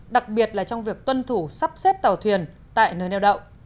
đặc biệt là trong việc tuân thủ sắp xếp tàu thuyền tại nơi neo đậu